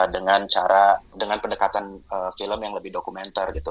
dengan cara dengan pendekatan film yang lebih dokumenter gitu